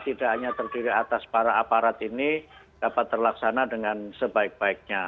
tidak hanya terdiri atas para aparat ini dapat terlaksana dengan sebaik baiknya